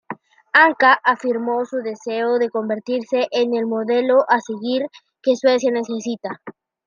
Anka afirmó su deseo de convertirse en el modelo a seguir que Suecia necesita.